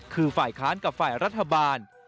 คือฝ่ายค้านกับฝ่ายรัฐบาล